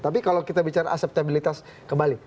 tapi kalau kita bicara aseptabilitas kembali